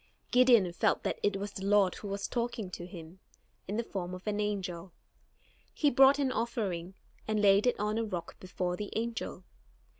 Gideon felt that it was the Lord who was talking with him, in the form of an angel. He brought an offering, and laid it on a rock before the angel.